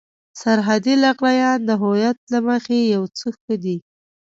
سرحدي لغړيان د هويت له مخې يو څه ښه دي.